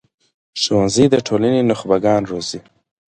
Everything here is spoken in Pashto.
ښوونځی د ټولنې نخبه ګان روزي